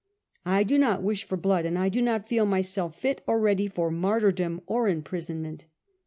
I do not wish for blood, and I do not feel myself fit or ready for martyrdom or imprisonment."